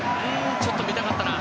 ちょっと見たかったな。